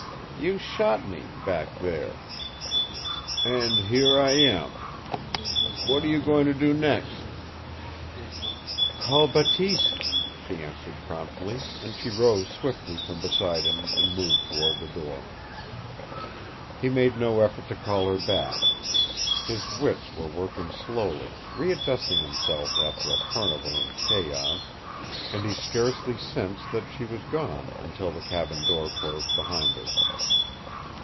You shot me, back there. And here I am. What are you going to do next?" "Call Bateese," she answered promptly, and she rose swiftly from beside him and moved toward the door. He made no effort to call her back. His wits were working slowly, readjusting themselves after a carnival in chaos, and he scarcely sensed that she was gone until the cabin door closed behind her.